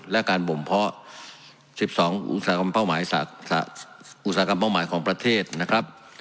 และการบ่มเพาะ๑๒อุตสาหกรรมเป้าหมายของประเทศนะครับ